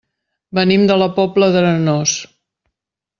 Venim de la Pobla d'Arenós.